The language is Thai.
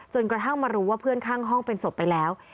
กระทั่งมารู้ว่าเพื่อนข้างห้องเป็นศพไปแล้ว